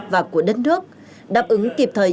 và của đất nước đáp ứng kịp thời